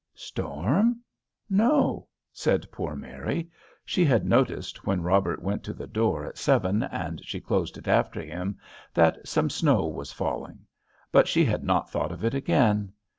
"Storm? no!" said poor Mary. She had noticed, when Robert went to the door at seven and she closed it after him, that some snow was falling. But she had not thought of it again.